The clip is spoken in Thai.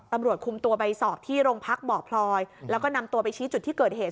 ตำรวจคุมตัวไปสอบที่โรงพักบ่อพลอยแล้วก็นำตัวไปชี้จุดที่เกิดเหตุ